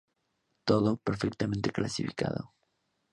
Todo, perfectamente clasificado.